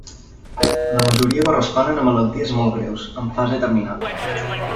La majoria corresponen a malalties molt greus, en fase terminal.